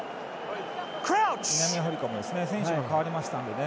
南アフリカも選手が代わりましたのでね。